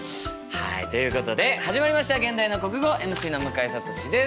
はいということで始まりました「現代の国語」ＭＣの向井慧です。